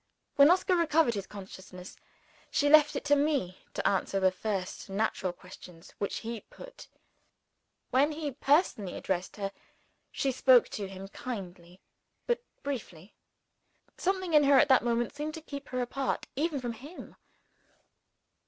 When Oscar recovered his consciousness, she left it to me to answer the first natural questions which he put. When he personally addressed her she spoke to him kindly, but briefly. Something in her, at that moment, seemed to keep her apart, even from _him.